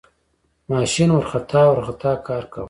ماشین ورخطا ورخطا کار کاوه.